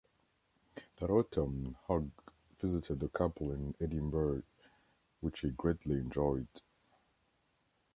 That autumn Hogg visited the couple in Edinburgh, which he greatly enjoyed.